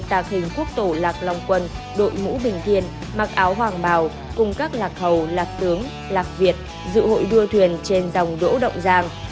tạc hình quốc tổ lạc long quân đội ngũ bình tiền mặc áo hoàng bào cùng các lạc hậu lạc tướng lạc việt dự hội đua thuyền trên dòng đỗ động giang